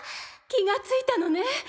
気が付いたのね！